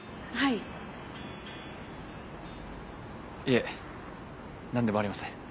いえ何でもありません。